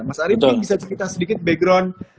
mas ari mungkin bisa cerita sedikit background